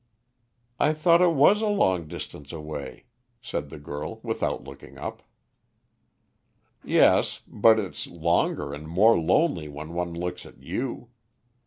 "I thought it was a long distance away," said the girl, without looking up. "Yes; but it's longer and more lonely when one looks at you.